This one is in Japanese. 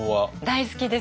大好きです。